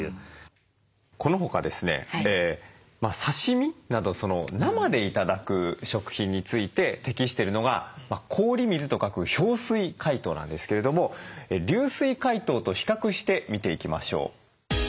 この他ですね刺身など生で頂く食品について適してるのが「氷水」と書く氷水解凍なんですけれども流水解凍と比較して見ていきましょう。